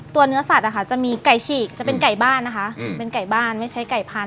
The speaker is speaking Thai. เนื้อสัตว์นะคะจะมีไก่ฉีกจะเป็นไก่บ้านนะคะเป็นไก่บ้านไม่ใช้ไก่พันธ